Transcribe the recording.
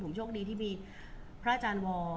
คุณผู้ถามเป็นความขอบคุณค่ะ